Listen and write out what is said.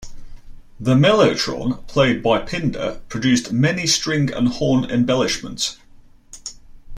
The mellotron, played by Pinder, produced many string and horn embellishments.